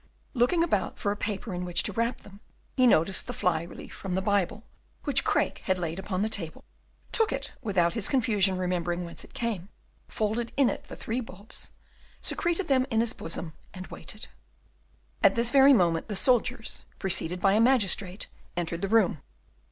Looking about for a paper in which to wrap them up, he noticed the fly leaf from the Bible, which Craeke had laid upon the table, took it without in his confusion remembering whence it came, folded in it the three bulbs, secreted them in his bosom, and waited. At this very moment the soldiers, preceded by a magistrate, entered the room.